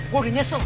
gue udah nyesel